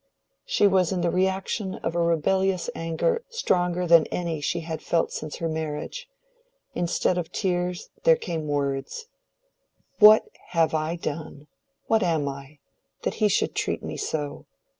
She was in the reaction of a rebellious anger stronger than any she had felt since her marriage. Instead of tears there came words:— "What have I done—what am I—that he should treat me so?